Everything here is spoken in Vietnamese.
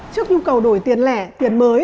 trước nhu cầu đổi tiền lẻ tiền mới